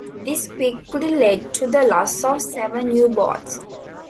This quickly led to the loss of seven U-boats.